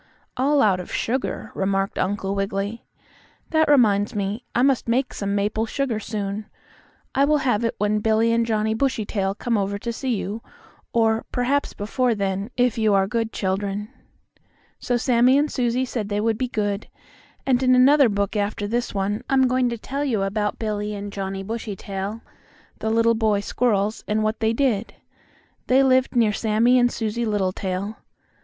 "All out of sugar," remarked Uncle Wiggily. "That reminds me, I must make some maple sugar soon. I will have it when Billie and Johnnie Bushytail come over to see you; or, perhaps before then, if you are good children." So Sammie and Susie said they would be good, and in another book after this one, I'm going to tell you about Billie and Johnnie Bushytail, the little boy squirrels, and what they did. They lived near Sammie and Susie Littletail.